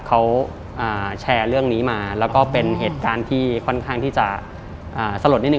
เขาแชร์เรื่องนี้มาแล้วก็เป็นเหตุการณ์ที่ค่อนข้างที่จะสลดนิดนึ